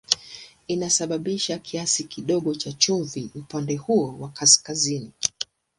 Inasababisha kiasi kidogo cha chumvi upande huo wa kaskazini.